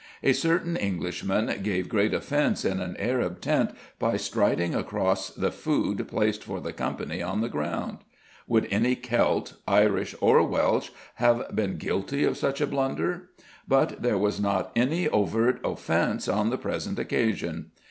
A certain Englishman gave great offence in an Arab tent by striding across the food placed for the company on the ground: would any Celt, Irish or Welsh, have been guilty of such a blunder? But there was not any overt offence on the present occasion.